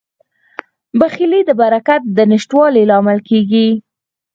بخیلي د برکت د نشتوالي لامل کیږي.